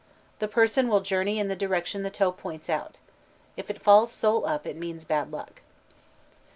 The person will journey in the direction the toe points out. If it falls sole up, it means bad luck.